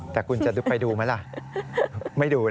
แต่คุณจะไปดูไหมล่ะไม่ดูนะ